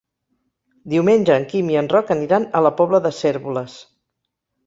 Diumenge en Quim i en Roc aniran a la Pobla de Cérvoles.